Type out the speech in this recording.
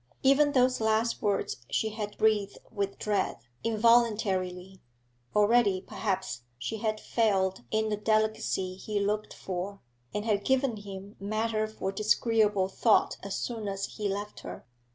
Even those last words she had breathed with dread, involuntarily; already, perhaps, she had failed in the delicacy he looked for, and had given him matter for disagreeable thought as soon as he left her.